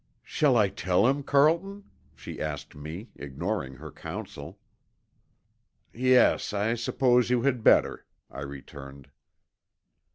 "Shall I tell him, Carlton?" she asked me, ignoring her counsel. "Yes, I suppose you had better," I returned.